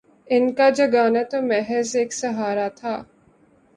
ان کا جگانا تو محض ایک سہارا تھا